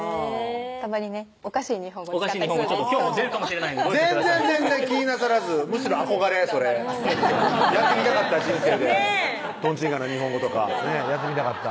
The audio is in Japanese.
たまにねおかしい日本語使ったりするんで今日も出るかもしれないんで全然全然気になさらずむしろ憧れそれやってみたかった人生でとんちんかんな日本語とかやってみたかった